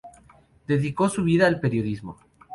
Dedicó su vida al periodismo.